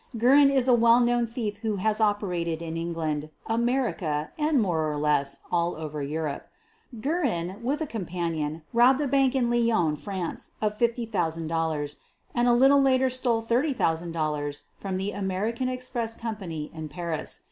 Guerin is a well known thief who has operated in England, America and more or less all over Europe. Guerin, with a companion, robbed a bank in Lyons, France, of $50,000, and a little later stole $30,000 from the American Express Company in Paris.